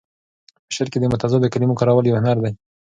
په شعر کې د متضادو کلمو کارول یو هنر دی.